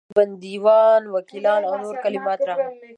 په دې کې بندیوان، وکیلان او نور کلمات راغلي.